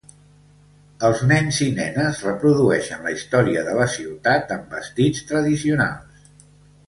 Els nens i nenes reprodueixen la història de la ciutat amb vestits tradicionals.